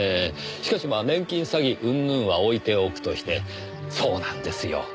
しかし年金詐欺うんぬんは置いておくとしてそうなんですよ。